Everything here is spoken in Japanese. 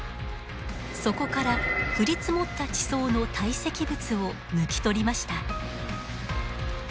そこから降り積もった地層の堆積物を抜き取りました。